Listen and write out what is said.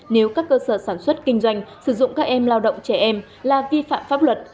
nếu các cơ sở sản xuất kinh doanh sử dụng các em lao động trẻ em là vi phạm pháp luật